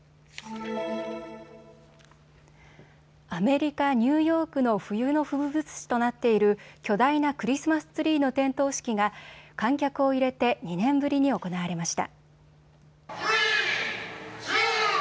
アメリカ・ニューヨークの冬の風物詩となっている巨大なクリスマスツリーの点灯式が観客を入れて２年ぶりに行われました。